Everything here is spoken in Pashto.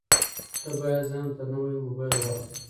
ته باید ځانته نوی مبایل واخلې